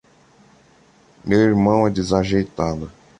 Meu irmão é desajeitado!